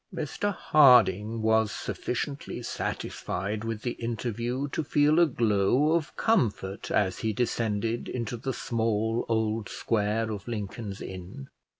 Mr Harding was sufficiently satisfied with the interview to feel a glow of comfort as he descended into the small old square of Lincoln's Inn.